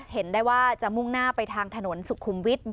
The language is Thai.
เห็นได้ว่าจะมุ่งหน้าไปทางถนนสุขุมวิทย์